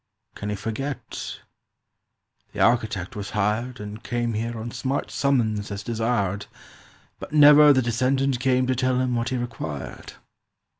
—Can he forget? "The architect was hired And came here on smart summons as desired, But never the descendant came to tell him What he required."